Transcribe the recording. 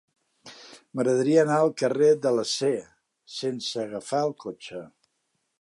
M'agradaria anar al carrer de l'Acer sense agafar el cotxe.